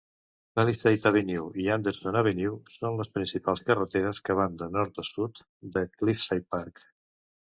Palisade Avenue i Anderson Avenue són les principals carreteres que van de nord a sud de Cliffside Park.